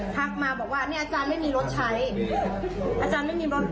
ทักมาบอกว่าเนี่ยอาจารย์ไม่มีรถใช้อาจารย์ไม่มีรถ